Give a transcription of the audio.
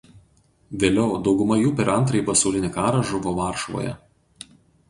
Vėliau dauguma jų per Antrąjį pasaulinį karą žuvo Varšuvoje.